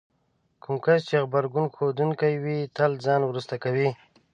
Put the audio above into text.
کوم کس چې غبرګون ښودونکی وي تل ځان وروسته کوي.